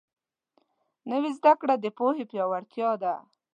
نوې زده کړه د پوهې پیاوړتیا ده